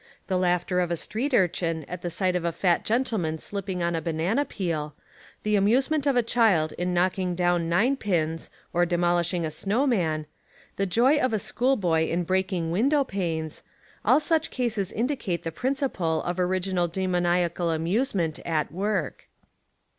The laughter of a street urchin at the sight of a fat gentleman slipping on a banana peel, the amusement of a child In knocking down nine pins, or demolishing a snow man, the joy of a school boy in breaking window panes — all such cases indicate the principle of original demonia cal amusement at work.